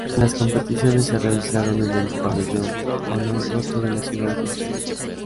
Las competiciones se realizaron en el Pabellón Holon Toto de la ciudad israelita.